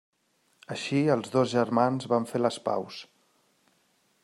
Així els dos germans van fer les paus.